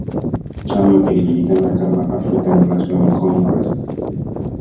chama kilijulikana kama African National Congress